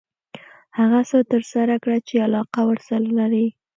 هغه څه ترسره کړه چې علاقه ورسره لري .